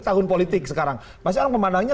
tahun politik sekarang masih orang memandangnya